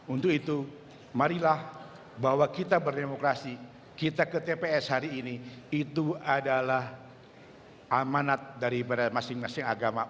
untuk itu marilah bahwa kita berdemokrasi kita ke tps hari ini itu adalah amanat dari masing masing agama untuk bisa memilih pemimpin yang betul betul bisa amanat